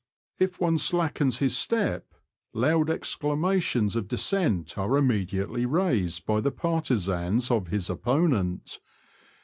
If one slackens his step, loud ex clamations of dissent are immediately raised by the partisans of his opponent.